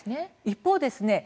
一方ですね